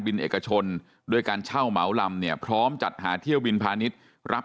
เอกชนด้วยการเช่าเหมาลำเนี่ยพร้อมจัดหาเที่ยวบินพาณิชย์รับ